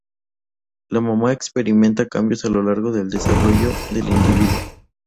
La mama experimenta cambios a lo largo del desarrollo del individuo.